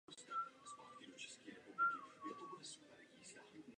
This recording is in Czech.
Vývoj může být přirozený nebo umělý.